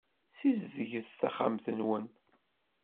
Ssizdget taxxamt-nwen.